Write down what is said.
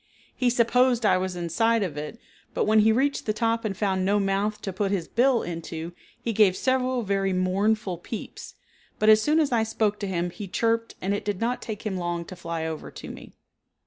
He supposed I was inside of it, but when he reached the top and found no mouth to put his bill into, he gave several very mournful peeps, but as soon as I spoke to him he chirped and it did not take him long to fly over to me.